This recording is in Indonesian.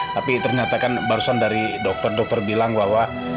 tapi ternyata kan barusan dari dokter dokter bilang bahwa